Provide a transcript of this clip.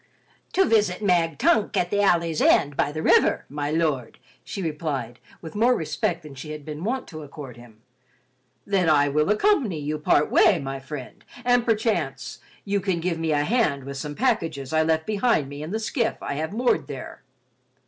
"To visit Mag Tunk at the alley's end, by the river, My Lord," she replied, with more respect than she had been wont to accord him. "Then, I will accompany you part way, my friend, and, perchance, you can give me a hand with some packages I left behind me in the skiff I have moored there."